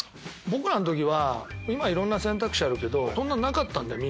僕らの時は今いろんな選択肢あるけどそんななかったんだよ